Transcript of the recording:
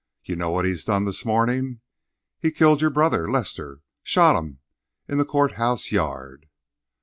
You know what he done this morning? He killed your brother Lester—shot him in the co't house yard."